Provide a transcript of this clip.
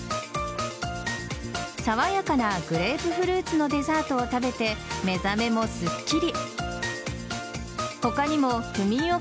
爽やかなグレープフルーツのデザートを食べて目覚めもすっきり。